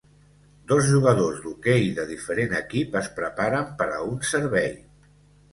Dos jugadors d'hoquei de diferent equip es preparen per a un servei.